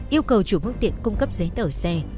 yêu cầu chủ phương tiện cung cấp giấy tờ xe